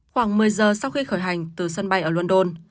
khoảng một mươi giờ sau khi khởi hành từ sân bay ở london